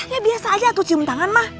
ya biasa aja tuh cium tangan ma